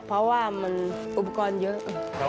เพราะว่ามันอุปกรณ์เยอะ